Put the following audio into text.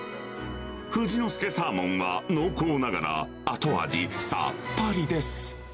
富士の介サーモンは濃厚ながら、後味さっぱりです。